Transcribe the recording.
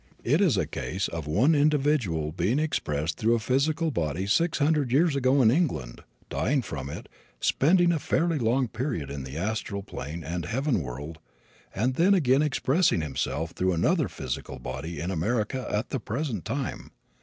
It is a case of one individual being expressed through a physical body six hundred years ago in England, dying from it, spending a fairly long period in the astral plane and heaven world, and then again expressing himself through another physical body in America at the present time.